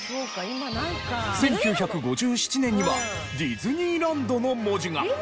１９５７年には「ディズニーランド」の文字が！